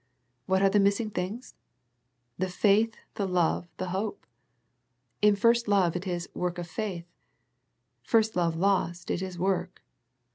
What are the missing things ?" The faith, the love, the hope." In first love it is '' work of faith." First love lost, it is " work."